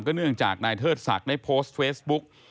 เนื่องจากนายเทิดศักดิ์ได้โพสต์เฟซบุ๊ก